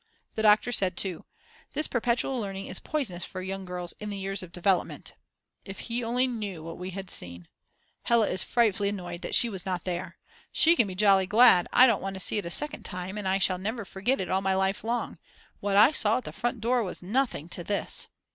The doctor said too: This perpetual learning is poisonous for young girls in the years of development. If he only knew what we had seen. Hella is frightfully annoyed that she was not there. She can be jolly glad, I don't want to see it a second time, and I shall never forget it all my life long; what I saw at the front door was nothing to this.